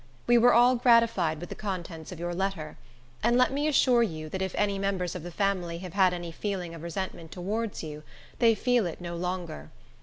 We were all gratified with the contents of your letter; and let me assure you that if any members of the family have had any feeling of resentment towards you, they feel it no longer.